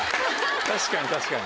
確かに確かに。